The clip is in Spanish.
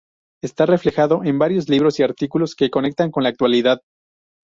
Está reflejado en varios libros y artículos que conectan con la actualidad.